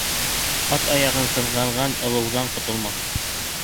Ат аяғын ҡыҙғанған ылауҙан ҡотолмаҫ.